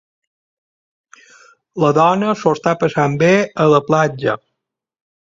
La dona s'ho està passant bé a la platja.